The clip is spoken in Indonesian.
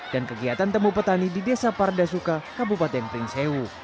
dan kegiatan temu petani di desa pardasuka kabupaten prinsewu